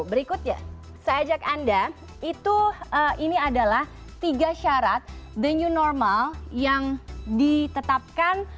berikutnya saya ajak anda ini adalah tiga syarat the new normal yang ditetapkan